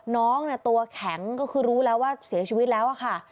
น้องตัวแข็งก็คือรู้แล้วว่าเสียชีวิตแล้วค่ะ